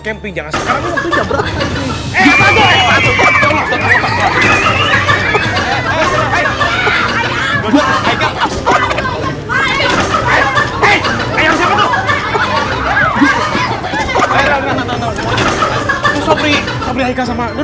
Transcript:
camping jangan sekarang itu jauh berarti eh apa gue